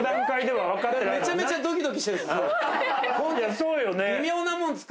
そうよね。